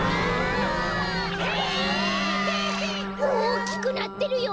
おおきくなってるよ！